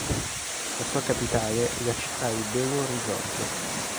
La sua capitale è la città di Belo Horizonte.